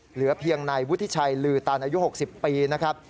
เหลือเพียงนายวุฒิชัยลือตันอายุ๖๐ปีนะครับ